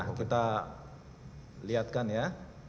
nah kita liatkan ya